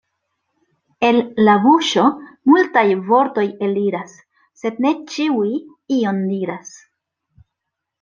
El la buŝo multaj vortoj eliras, sed ne ĉiuj ion diras.